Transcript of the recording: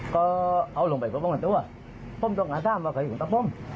ก็เอาลงไปผมขับขันตัวผมต้องหาท่ามมาขายของตัวผม